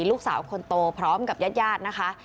ลูกสาวคนโตพร้อมกับญาติญาตินะคะ